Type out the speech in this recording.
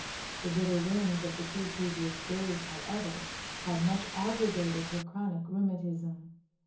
The bitter winds of the two previous days, however, had much aggravated her chronic rheumatism.